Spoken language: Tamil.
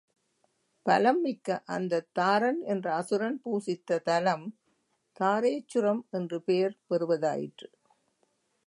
பலம் மிக்க அந்தத் தாரன் என்ற அசுரன் பூசித்த தலம் தாரேச்சுரம் என்று பெயர் பெறுவதாயிற்று.